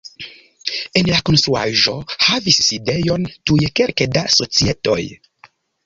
En la konstruaĵo havis sidejon tuj kelke da societoj.